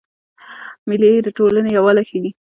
مېلې د ټولني یووالی ښيي.